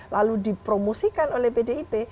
lalu dipromosikan oleh pdip